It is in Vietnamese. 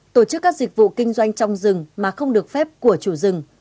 tổ chức các dịch vụ kinh doanh trong rừng mà không được phép của chủ rừng